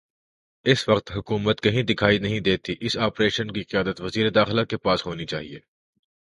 اس وقت حکومت کہیں دکھائی نہیں دیتی اس آپریشن کی قیادت وزیر داخلہ کے پاس ہونی چاہیے۔